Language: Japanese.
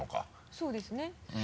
そうですね。